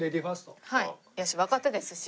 やし若手ですし。